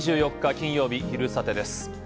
金曜日、「昼サテ」です。